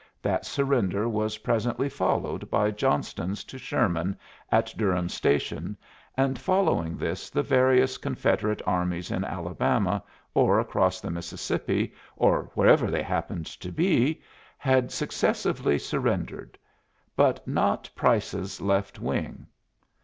That surrender was presently followed by Johnston's to Sherman, at Durhams Station, and following this the various Confederate armies in Alabama, or across the Mississippi, or wherever they happened to be, had successively surrendered but not Price's Left Wing.